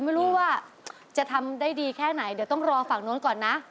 ไม่รู้ว่าจะทำได้ดีแค่ไหนเดี๋ยวต้องรอฝั่งนู้นก่อนนะ